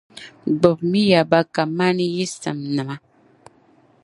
Gbibimi ya ba ka mani yi simnima.